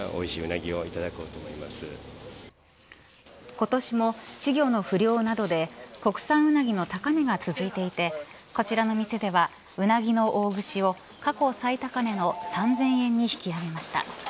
今年も稚魚の不漁などで国産ウナギの高値が続いていてこちらの店ではうなぎの大串を過去最高値の３０００円に引き揚げました。